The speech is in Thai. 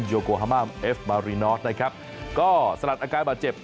โยโกฮามามเอฟบารีนอสนะครับก็สลัดอาการบาดเจ็บ